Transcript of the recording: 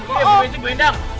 iya bu messi bu hendang